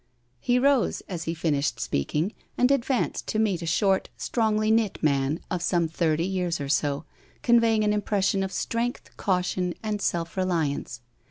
'* He rose as he finished speaking, and advanced to meet a short, strongly knit man of some thirty years or so, conveying an impression of strength, caution, and self reliance.